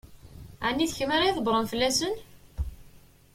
Ɛni d kemm ara ydebbṛen fell-asen?